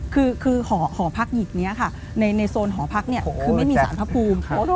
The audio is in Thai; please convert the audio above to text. คือหอพักหยิกนี้ค่ะในโซนหอพักเนี่ยคือไม่มีสารพระภูมิ